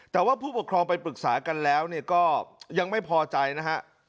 แต่ว่าผู้ปกครองไปปรึกษากันแล้วก็ยังไม่พอใจนะฮะ